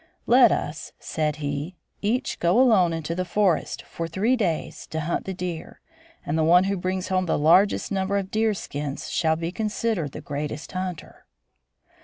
"Let us," said he, "each go alone into the forest, for three days, to hunt the deer, and the one who brings home the largest number of deer skins shall be considered the greatest hunter."